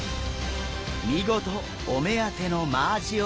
見事お目当てのマアジをゲット。